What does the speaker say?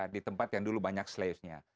di tempat yang dulu banyak penjahatnya